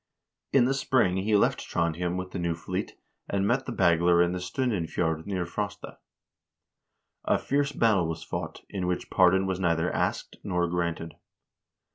In the spring he left Trondhjem with the new fleet, and met the Bagler in the Strin denfjord near Frosta. A fierce battle was fought, in which pardon was neither asked nor granted.